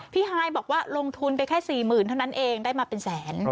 ฮายบอกว่าลงทุนไปแค่๔๐๐๐เท่านั้นเองได้มาเป็นแสน